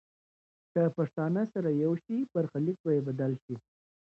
که پښتانه سره یو شي، برخلیک به یې بدل شي.